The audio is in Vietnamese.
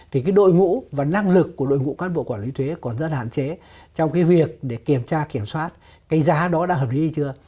thì cái đội ngũ và năng lực của đội ngũ cán bộ quản lý thuế còn rất hạn chế trong cái việc để kiểm tra kiểm soát cái giá đó đã hợp lý hay chưa